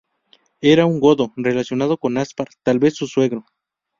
Era un godo, relacionado con Aspar, tal vez su suegro.